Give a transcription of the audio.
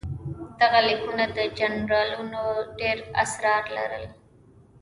دغه لیکونه د جنودالربانیه ډېر اسرار لرل.